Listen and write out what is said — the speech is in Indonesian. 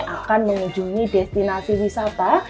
akan mengunjungi destinasi wisata